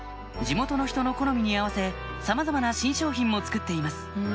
地元の人の好みに合わせさまざまな新商品もつくっています